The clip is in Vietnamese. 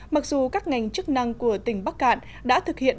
mặc dù các ngành chức năng của tỉnh bắc cạn đã thực hiện